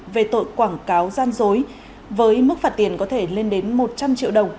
về tội quảng cáo gian dối với mức phạt tiền có thể lên đến một trăm linh triệu đồng